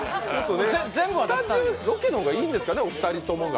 ロケの方がいいんですかね、お二人とも。